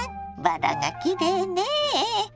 バラがきれいねえ。